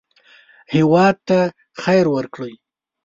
هېواد ته خیر ورکړئ